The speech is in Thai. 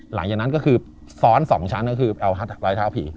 หลังจากนั้นก็คือซ้อน๒ชั้นก็คือเอารอยเท้าผี